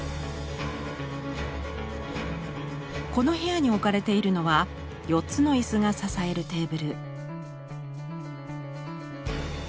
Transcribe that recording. この部屋に置かれているのは４つの椅子が支えるテーブル。